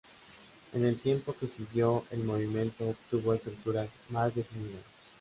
En el tiempo que siguió, el movimiento obtuvo estructuras más definidas.